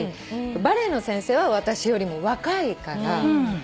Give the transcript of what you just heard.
バレエの先生は私よりも若いから。